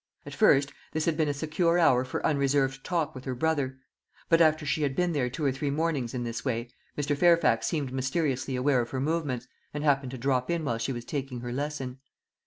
At first this had been a secure hour for unreserved talk with her brother; but after she had been there two or three mornings in this way, Mr. Fairfax seemed mysteriously aware of her movements, and happened to drop in while she was taking her lesson.